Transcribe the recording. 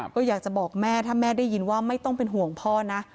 ก็อยากจะบอกแม่ถ้าแม่ได้ยินว่าไม่ต้องเป็นห่วงพ่อนะ